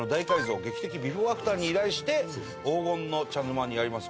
劇的ビフォーアフター』に依頼して黄金の茶の間にあります